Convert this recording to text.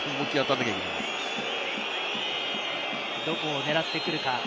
どこを狙ってくるか？